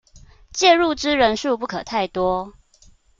介入之人數不可太多